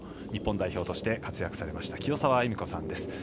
日本代表として活躍されました清澤恵美子さんです。